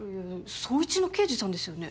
捜一の刑事さんですよね？